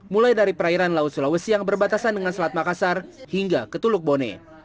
mulai dari perairan laut sulawesi yang berbatasan dengan selat makassar hingga ketuluk bone